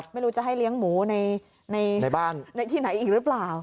ไม่รู้จะให้เลี้ยงหมูในบ้านที่ไหนอีกหรือเปล่า